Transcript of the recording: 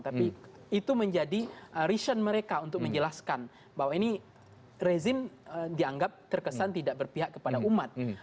tapi itu menjadi reason mereka untuk menjelaskan bahwa ini rezim dianggap terkesan tidak berpihak kepada umat